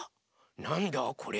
なんだこれ？